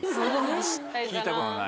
聞いたことのない。